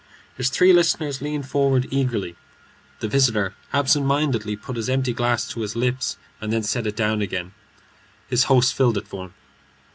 His three listeners leaned forward eagerly. The visitor absent mindedly put his empty glass to his lips and then set it down again. His host filled it for him.